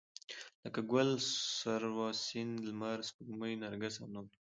لکه ګل، سروه، سيند، لمر، سپوږمۍ، نرګس او نور